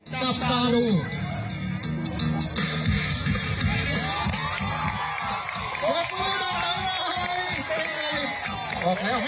ผิวความตามมาพี่เดชน์